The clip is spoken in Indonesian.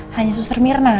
hanya suster mirna